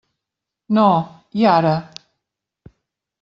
No, i ara!